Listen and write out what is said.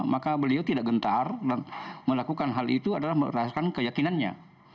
maka beliau tidak gentar dan melakukan hal itu adalah merasakan keyakinannya